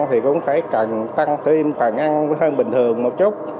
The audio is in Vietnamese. thì cũng phải tăng thêm phần ăn hơn bình thường một chút